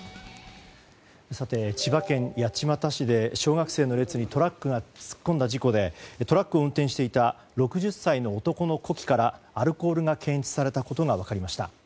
千葉県八街市で小学生の列にトラックが突っ込んだ事故でトラックを運転していた６０歳の男の呼気からアルコールが検出されたことが分かりました。